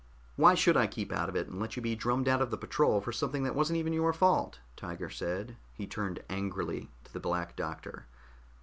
"Why should I keep out of it and let you be drummed out of the patrol for something that wasn't even your fault?" Tiger said. He turned angrily to the Black Doctor.